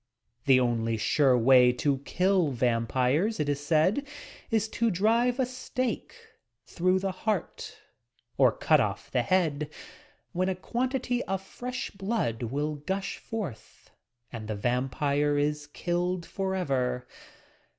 The only sure way to kill vampires, it is said, is to drive a stake through the heart or cut off the head, when a quantity of fresh blood will gush A PERVERTED USES OF SPIRITUALISM 311 forth and the vampire is killed for ever